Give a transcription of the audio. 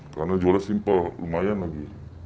karena jualnya simpel lumayan lagi